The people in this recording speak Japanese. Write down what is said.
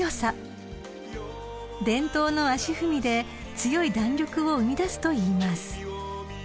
［伝統の足ふみで強い弾力を生み出すといいます］